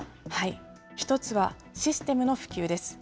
一つはシステムの普及です。